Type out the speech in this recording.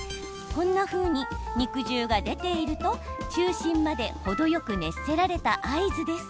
こんなふうに肉汁が出ていると中心まで程よく熱せられた合図です。